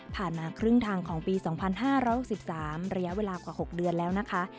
มาครึ่งทางของปี๒๕๖๓ระยะเวลากว่า๖เดือนแล้วนะคะ